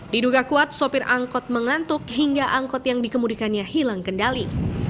diduga kuat sopir angkot mengantuk hingga angkot yang dikemudikannya hilang kendali